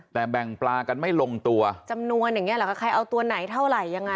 แต่แบ่งปลากันไม่ลงตัวจำนวนอย่างเงี้เหรอคะใครเอาตัวไหนเท่าไหร่ยังไง